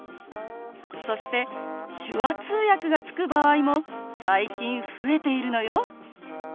そして手話通訳がつく場合も最近増えているのよ。